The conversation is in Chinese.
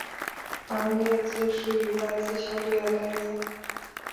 而内字是与外字相对的概念。